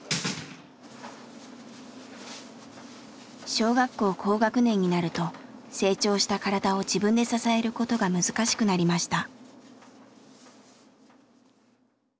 小学校高学年になると成長した体を自分で支えることが難しくなりました。